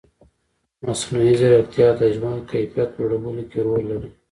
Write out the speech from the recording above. مصنوعي ځیرکتیا د ژوند کیفیت لوړولو کې رول لري.